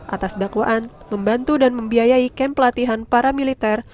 atas dakwaan membantu dan membiayai kem pelatihan para militer